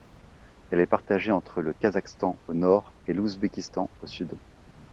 Elle est partagée entre le Kazakhstan au nord et l'Ouzbékistan au sud.